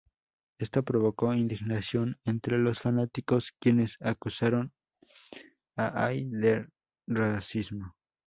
Esto provocó indignación entre los fanáticos, quienes acusaron a Hay de racismo.